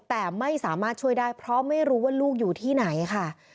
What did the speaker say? แต่ไม่สามารถช่วยได้เพราะไม่รู้ว่าลูกอยู่ที่ไหนค่ะ